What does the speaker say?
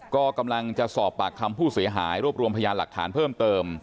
ก็กำลังจะสอบปากคำผู้เสียหายรวบรวมพยานหลักฐานเพิ่มเติม